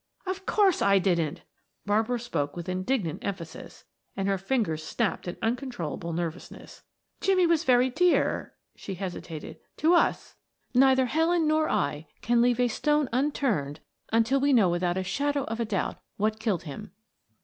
"Of course I didn't!" Barbara spoke with indignant emphasis, and her fingers snapped in uncontrollable nervousness. "Jimmie was very dear" she hesitated "to us. Neither Helen nor I can leave a stone unturned until we know without a shadow of a doubt what killed him."